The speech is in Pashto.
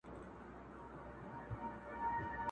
نور د عصمت کوڅو ته مه وروله٫